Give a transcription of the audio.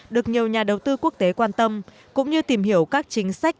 được nhiều nhà đầu tư quốc tế quan tâm cũng như tìm hiểu các chính sách